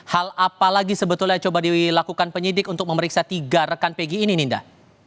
hal apa lagi sebetulnya coba dilakukan penyidik untuk memeriksa tiga rekan pg ini ninda